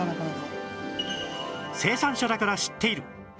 生産者だから知っている！